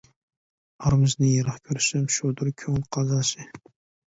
ئارىمىزنى يىراق كۆرسەم، شۇدۇر كۆڭۈل قازاسى!